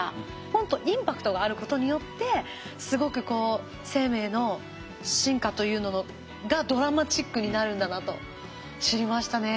ポンとインパクトがあることによってすごくこう生命の進化というのがドラマチックになるんだなと知りましたね。